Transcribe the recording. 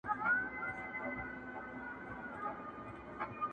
پر سوځېدلو ونو!